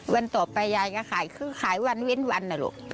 วันต่อไปยายก็ขายคือขายวันเว้นวันนะลูก